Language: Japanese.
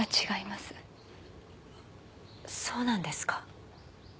そうなんですか？